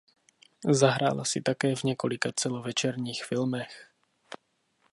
Zahrála si také v několika celovečerních filmech.